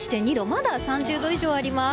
まだ３０度以上あります。